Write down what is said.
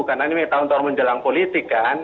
karena ini tahun tahun menjelang politik kan